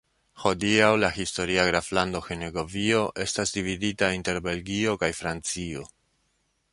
Hodiaŭ la historia graflando Henegovio estas dividita inter Belgio kaj Francio.